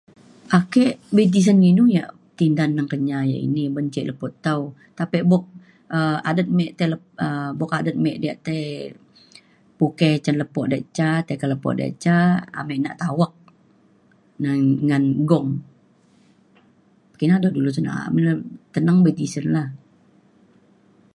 Ake be' tesen inu ya' tindan nang kenyah ya' ini oban ce' lepo tau tapi bok um adat mik tai lep um boka adat me dia' tai puke cung lepo da ca tai ke lepo da ca, amik nak tawek na ngan gong. Kina da dulu cen na'a, bene teneng be' tisen la